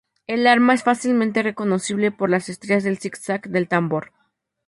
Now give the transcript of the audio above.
El arma es fácilmente reconocible por las estrías en zig-zag del tambor.